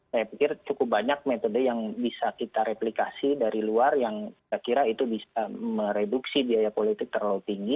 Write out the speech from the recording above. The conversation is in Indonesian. saya pikir cukup banyak metode yang bisa kita replikasi dari luar yang saya kira itu bisa mereduksi biaya politik terlalu tinggi